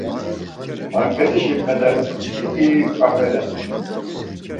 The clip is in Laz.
Market̆işi mele, didi ǩafe ren.